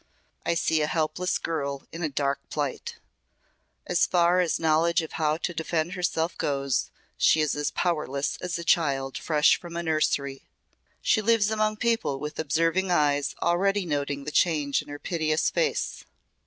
"I see a helpless girl in a dark plight. As far as knowledge of how to defend herself goes, she is as powerless as a child fresh from a nursery. She lives among people with observing eyes already noting the change in her piteous face.